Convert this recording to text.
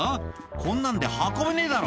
「こんなんで運べねえだろ」